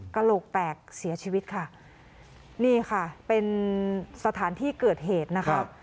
กระโหลกแตกเสียชีวิตค่ะนี่ค่ะเป็นสถานที่เกิดเหตุนะคะ